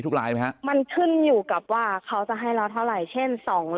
ลายไหมฮะมันขึ้นอยู่กับว่าเขาจะให้เราเท่าไหร่เช่น๒๐๐